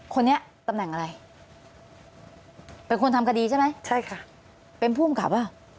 คนนี้ตำแหน่งอะไรเป็นคนทำคดีใช่ไหมใช่ค่ะเป็นผู้อำกับเปล่า